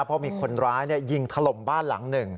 เพราะมีคนร้ายยิงถล่มบ้านหลังหนึ่ง